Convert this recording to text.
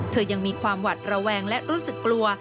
ยังมีความหวัดระแวงและรู้สึกกลัว